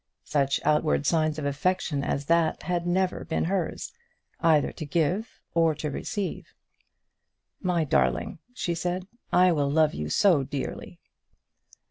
Such outward signs of affection as that had never been hers, either to give or to receive. "My darling," she said, "I will love you so dearly."